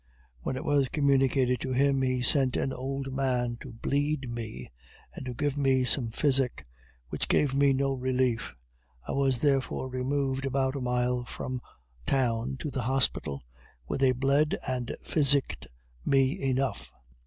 When it was communicated to him, he sent an old man to bleed me and to give me some physic, which gave me no relief; I was therefore removed about a mile from town, to the hospital, where they bled and physiced me enough.